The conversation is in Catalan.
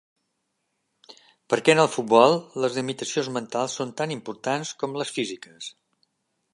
Perquè en el futbol, les limitacions mentals són tan importants com les físiques.